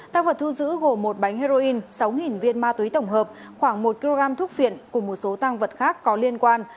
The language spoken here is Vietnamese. tăng vật thu giữ gồm một bánh heroin sáu viên ma túy tổng hợp khoảng một kg thuốc viện cùng một số tăng vật khác có liên quan